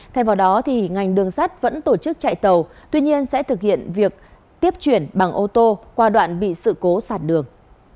thay vào đó ngành đường sắt vẫn tổ chức chạy tàu tuy nhiên sẽ thực hiện việc tiếp chuyển bằng ô tô qua đoạn bị sự cố sạt đường